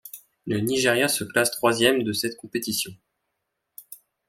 Le Nigeria se classe troisième de cette compétition.